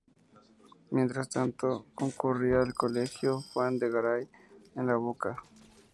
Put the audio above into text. Mientras tanto concurría al colegio Juan de Garay, en La Boca.